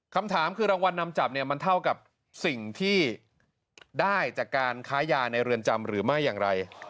คำถามคือรางวัลนำจับเนี่ยมันเท่ากับสิ่งที่ได้จากการค้ายาในเรือนจำหรือไม่อย่างไร